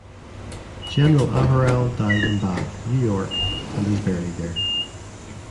General Averell died in Bath, New York, and is buried there.